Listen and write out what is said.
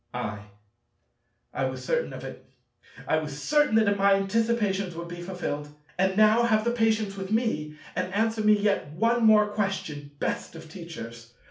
I. I was certain of it. I was certain that my anticipations would be fulfilled. And now have patience with me and answer me yet one more question, best of Teachers!